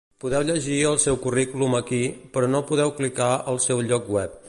Podeu llegir el seu currículum aquí, però no podeu clicar el seu lloc web.